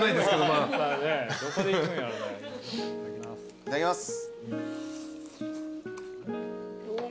いただきます。